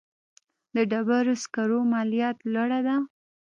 د ډبرو سکرو مالیه لوړه ده